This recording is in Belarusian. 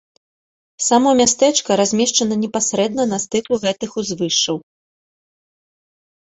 Само мястэчка размешчана непасрэдна на стыку гэтых узвышшаў.